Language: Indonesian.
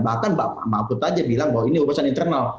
bahkan mbak mabut aja bilang bahwa ini urusan internal